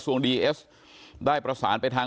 สวัสดีคุณผู้ชมครับสวัสดีคุณผู้ชมครับ